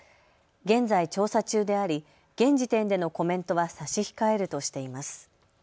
現在、調査中であり現時点でのコメントは差し控えるとしています。